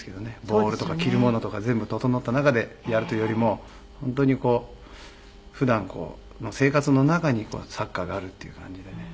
ボールとか着る物とか全部整った中でやるというよりも本当にこう普段の生活の中にサッカーがあるっていう感じでね。